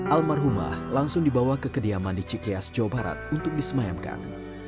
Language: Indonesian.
almarhumah langsung dibawa ke kediaman di cikeas jawa barat untuk disemayamkan